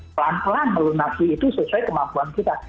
pelan pelan melunasi itu sesuai kemampuan kita